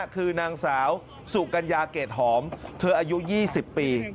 คือนางสาวสุกัญญาเกรดหอมเธออายุ๒๐ปี